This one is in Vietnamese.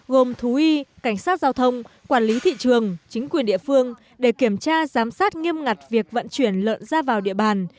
gồm thú y cảnh sát giao thông quản lý thị trường chính quyền địa phương để kiểm tra giám sát nghiêm ngặt việc vận chuyển lợn ra vào địa bàn